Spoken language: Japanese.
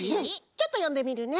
ちょっとよんでみるね。